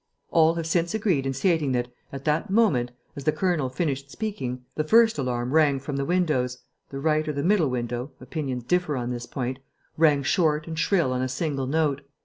All have since agreed in stating that, at that moment, as the colonel finished speaking, the first alarm rang from the windows the right or the middle window: opinions differ on this point rang short and shrill on a single note.